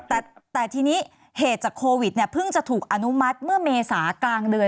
แต่ทีนี้เหตุจากโควิดเนี่ยเพิ่งจะถูกอนุมัติเมื่อเมษากลางเดือน